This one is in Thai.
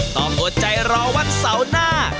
ต้องโอดใจรอวันเสาร์หน้า